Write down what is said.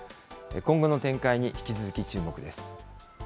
今後の展開に引き続き注目です。